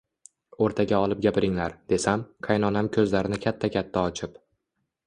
O`rtaga olib gapiringlar, desam, qaynonam ko`zlarini katta-katta ochib